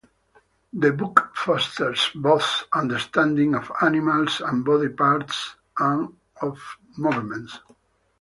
The book fosters both understanding of animals, of body parts, and of movements.